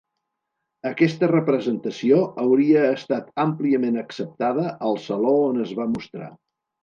Aquesta representació hauria estat àmpliament acceptada al saló on es va mostrar.